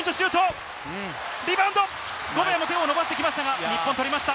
リバウンド、ゴベアも手を伸ばしてきましたが日本、取りました。